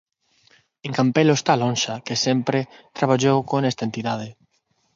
En Campelo está a lonxa, que sempre traballou con esta entidade.